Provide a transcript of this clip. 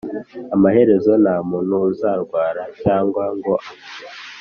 Amaherezo nta muntu uzarwara cyangwa ngo apfe